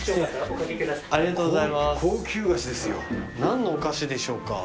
何のお菓子でしょうか？